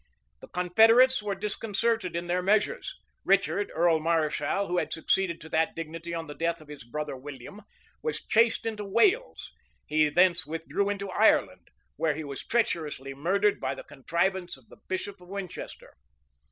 The confederates were disconcerted in their measures: Richard, earl Mareschal, who had succeeded to that dignity on the death of his brother William, was chased into Wales; he thence withdrew into Ireland, where he was treacherously murdered by the contrivance of the bishop of Winchester.